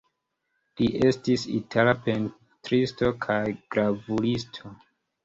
Li estis itala pentristo kaj gravuristo.